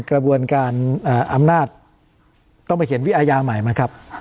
กระบวนการอำนาจต้องไปเขียนวิอาญาใหม่ไหมครับ